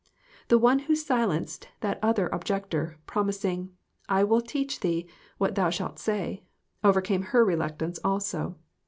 The One who silenced that other objector, promising, "I will teach thee what thou shalt say," overcame her reluctance also.